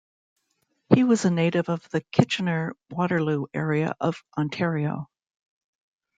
He was a native of the Kitchener-Waterloo area of Ontario.